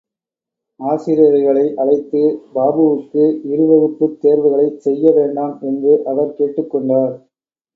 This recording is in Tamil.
ஆசிரியர்களை அழைத்து பாபுவுக்கு இருவகுப்புத் தேர்வுகளைச் செய்ய வேண்டாம் என்று அவர் கேட்டுக் கொண்டார்.